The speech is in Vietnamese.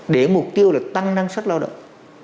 để mục tiêu là tăng năng suất lao động